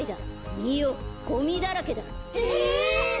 みよゴミだらけだ。ええ！？